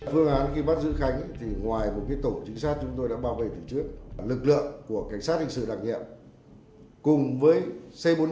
phương án khi bắt giữ khánh thì ngoài một cái tổ chính sát chúng tôi đã bảo vệ từ trước lực lượng của cảnh sát hình sự đặc nhiệm